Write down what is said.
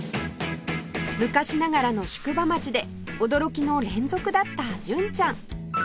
昔ながらの宿場町で驚きの連続だった純ちゃん